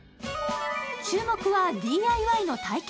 注目はＤＩＹの体験